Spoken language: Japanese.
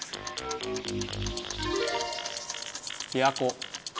琵琶湖。